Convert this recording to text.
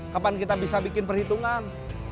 kapan kita bisa bikin perhitungan